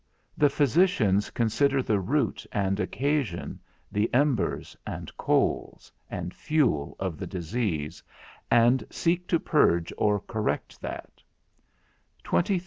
The physicians consider the root and occasion, the embers, and coals, and fuel of the disease, and seek to purge or correct that 145 23.